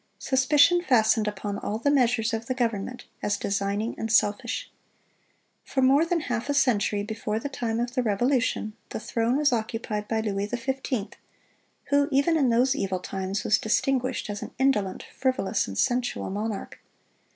Suspicion fastened upon all the measures of the government, as designing and selfish. For more than half a century before the time of the Revolution, the throne was occupied by Louis XV., who, even in those evil times, was distinguished as an indolent, frivolous, and sensual monarch.